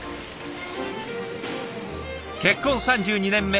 結婚３２年目。